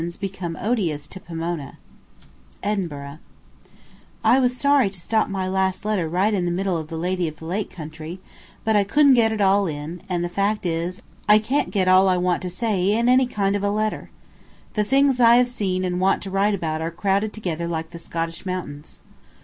Letter Number Twenty four EDINBURGH I was sorry to stop my last letter right in the middle of the "Lady of the Lake" country, but I couldn't get it all in, and the fact is, I can't get all I want to say in any kind of a letter. The things I have seen and want to write about are crowded together like the Scottish mountains.